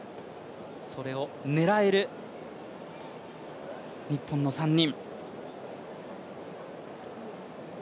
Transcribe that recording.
それを狙える日本の３人。